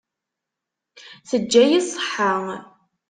Teǧǧa-yi ṣṣeḥḥa.